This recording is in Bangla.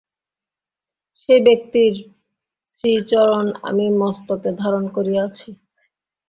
সেই ব্যক্তির শ্রীচরণ আমি মস্তকে ধারণ করিয়া আছি।